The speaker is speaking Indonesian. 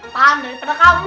paham daripada kamu